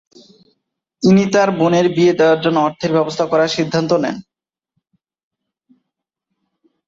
তিনি তার বোনের বিয়ে দেওয়ার জন্য অর্থের ব্যবস্থা করার সিদ্ধান্ত নেন।